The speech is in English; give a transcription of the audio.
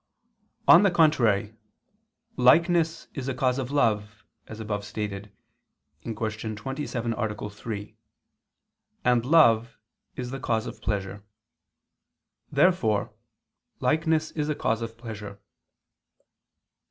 On the contrary, Likeness is a cause of love, as above stated (Q. 27, A. 3): and love is the cause of pleasure. Therefore likeness is a cause of pleasure.